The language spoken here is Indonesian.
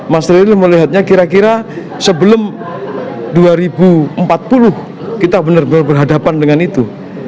mas reil melihatnya kira kira sebelum dua ribu empat puluh kita benar benar berhadapan dengan itu